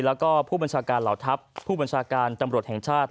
แล้วก็ผู้บัญชาการเหล่าทัพผู้บัญชาการตำรวจแห่งชาติ